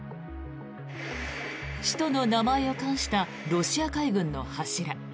首都の名前を冠したロシア海軍の柱。